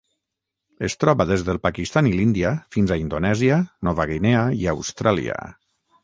Es troba des del Pakistan i l'Índia fins a Indonèsia, Nova Guinea i Austràlia.